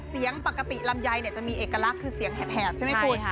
เสียงปกติลำไยจะมีเอกลักษณ์คือเสียงแหบใช่ไหมคุณ